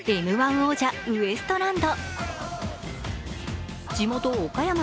王者ウエストランド。